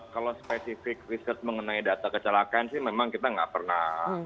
kalau spesifik riset mengenai data kecelakaan sih memang kita nggak pernah